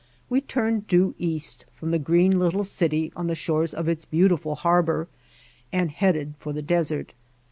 We turned due east from the green little city on the shores of its beautiful harbor and headed for the desert.